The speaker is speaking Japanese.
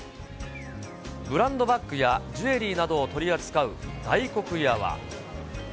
ブランドバッグやジュエリーなどを取り扱う大黒屋は。